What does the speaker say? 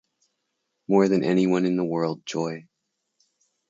More than any one in the world, Joy.